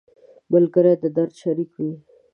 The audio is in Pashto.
ملګری د درد شریک وي